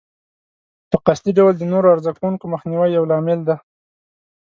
په قصدي ډول د نورو عرضه کوونکو مخنیوی یو لامل دی.